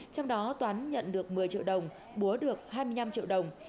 trong đó toán nhận được một mươi triệu đồng búa được hai mươi năm triệu đồng